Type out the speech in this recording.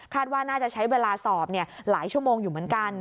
ว่าน่าจะใช้เวลาสอบหลายชั่วโมงอยู่เหมือนกัน